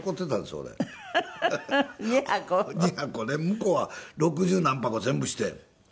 向こうは六十何箱全部して。